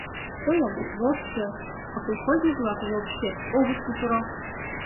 Тыйын — «вообще», а колхозник-влак «вообще» огыт кутыро.